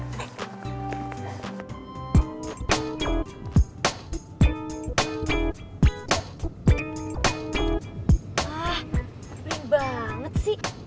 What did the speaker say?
ah bing banget sih